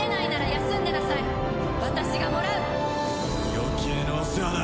余計なお世話だ！